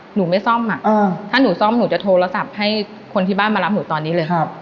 หนูไม่ซ่อมถ้าหนูซ่อมหนูจะโทรศัพท์ให้คนที่บ้านมารับหนูตอนนี้เลย